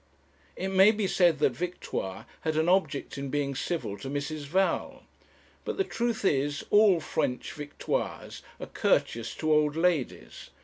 It may be said that Victoire had an object in being civil to Mrs. Val. But the truth is, all French Victoires are courteous to old ladies.